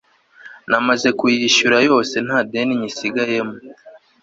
namaze kuyishyura yose ntadeni nyisigayemo